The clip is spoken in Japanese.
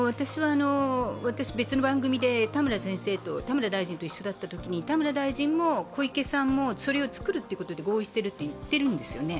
私、別の番組で田村大臣と一緒だったときに、田村大臣も小池さんもそれをつくるということで合意していると言ってるんですね。